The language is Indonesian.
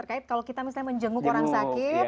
kalau kita menjenguk orang sakit